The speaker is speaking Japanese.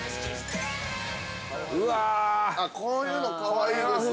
◆うわ、こういうのかわいいですね。